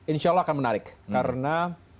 insya allah akan menarik karena